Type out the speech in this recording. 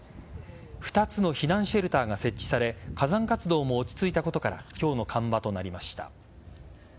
２つの避難シェルターが設置され火山活動も落ち着いたことから今日の緩和となりました。